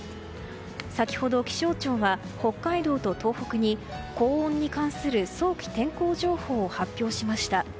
先ほど気象庁は北海道と東北に高温に関する早期天候情報を発表しました。